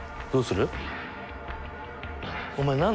どうする？